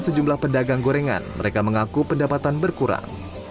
sejumlah pedagang gorengan mereka mengaku pendapatan berkurang